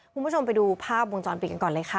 คุณผู้ชมไปดูภาพวงจรปิดกันก่อนเลยค่ะ